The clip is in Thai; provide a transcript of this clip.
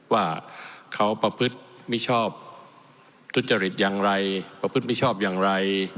ว่าเขาประพฤติมิชอบทุจริตอย่างไรประพฤติมิชอบอย่างไร